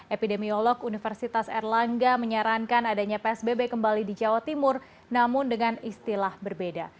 epidemiolog universitas erlangga menyarankan adanya psbb kembali di jawa timur namun dengan istilah berbeda